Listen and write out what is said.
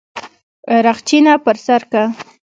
رخچينه پر سر که.